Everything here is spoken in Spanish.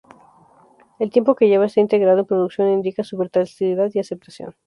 El tiempo que lleva este integrado en producción indica su versatilidad y aceptación.